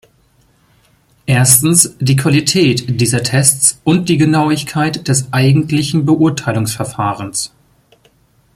Erstens die Qualität dieser Tests und die Genauigkeit des eigentlichen Beurteilungsverfahrens.